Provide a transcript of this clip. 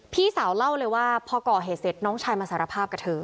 พี่สาวเล่าเลยว่าพอก่อเหตุเสร็จน้องชายมาสารภาพกับเธอ